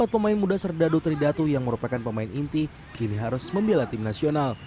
empat pemain muda serdadu tridatu yang merupakan pemain inti kini harus membela tim nasional